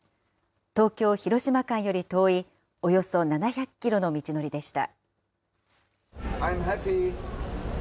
東京・広島間より遠い、およそ７００キロの道のりでした。